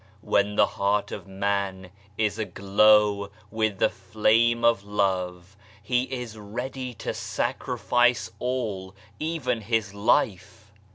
When the heart of man is aglow with the flame of love, he is ready to sacrifice all even his life.